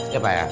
ya pak ya